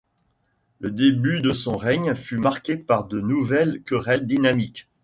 Le début de son règne fut marqué par de nouvelles querelles dynastiques.